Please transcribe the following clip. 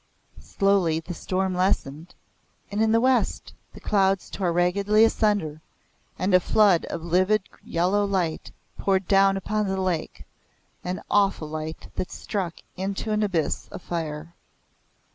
Slowly the storm lessened, and in the west the clouds tore raggedly asunder and a flood of livid yellow light poured down upon the lake an awful light that struck it into an abyss of fire.